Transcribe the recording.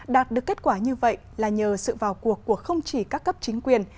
đạt được kết quả như vậy là nhờ sự vào cuộc của không chỉ các cấp chính quyền